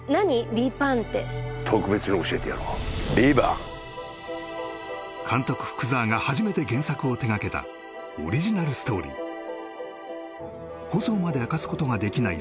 ＶＩＶＡＮＴって特別に教えてやろうＶＩＶＡＮＴ監督福澤が初めて原作を手がけたオリジナルストーリー放送まで明かすことができない